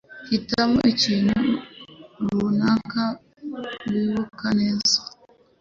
Hitamo ikintu runaka wibuka neza.